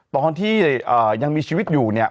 ตอนที่ยังมีชีวิตอยู่เนี่ย